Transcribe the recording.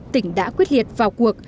tỉnh đã quyết liệt vào cuộc